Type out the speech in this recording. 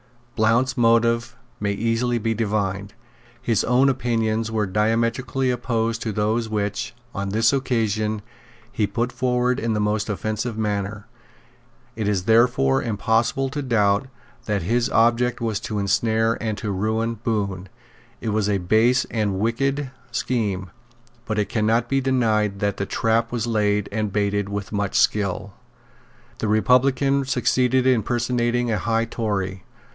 Blount's motives may easily be divined. His own opinions were diametrically opposed to those which, on this occasion, he put forward in the most offensive manner. It is therefore impossible to doubt that his object was to ensnare and to ruin Bohun. It was a base and wicked scheme. But it cannot be denied that the trap was laid and baited with much skill. The republican succeeded in personating a high Tory.